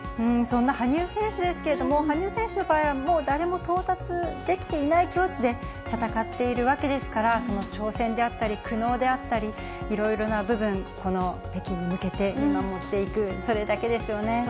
そんな羽生選手ですけれども、羽生選手の場合は、もう誰も到達できていない境地で戦っているわけですから、その挑戦であったり苦悩であったり、いろいろな部分、この北京に向けて見守っていく、それだけですよね。